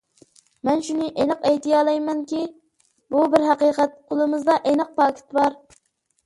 مەن شۇنى ئېنىق ئېيتالايمەنكى، بۇ بىر ھەقىقەت. قولىمىزدا ئېنىق پاكىت بار.